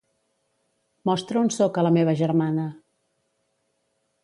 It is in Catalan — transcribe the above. Mostra on soc a la meva germana.